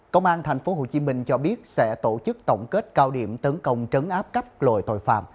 công an tp hcm cho biết sẽ tổ chức tổng kết cao điểm tấn công trấn áp cấp lội tội phạm